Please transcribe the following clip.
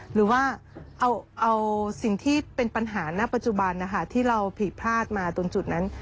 หรือว่าเอาสิ่งที่เป็นปัญหาณปัจจุบันนะคะที่เราผิดพลาดมาตรงจุดนั้น